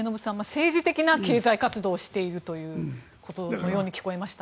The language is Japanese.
政治的な経済活動をしているということのように聞こえました。